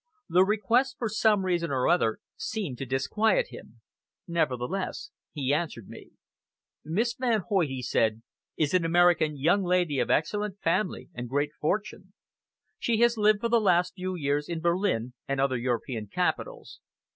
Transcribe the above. The request, for some reason or other, seemed to disquiet him. Nevertheless, he answered me. "Miss Van Hoyt," he said, "is an American young lady of excellent family and great fortune. She has lived for the last few years in Berlin and other European capitals.